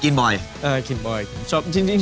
ก็บักกว่าก็ดีแล้ว